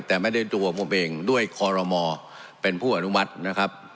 แต่ไม่ได้ตัวผมเองด้วยคอรมอเป็นผู้อนุมัตินะครับ